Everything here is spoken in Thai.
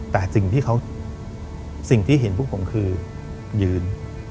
แต่สิ่งที่เห็นพวกผมคือยืน